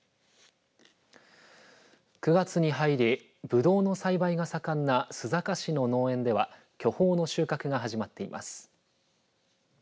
９月に入りブドウの栽培が盛んな須坂市の農園では巨峰の収穫が始まっています。